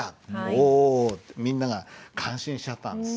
お」ってみんなが感心しちゃったんです。